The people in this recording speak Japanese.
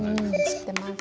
知ってます。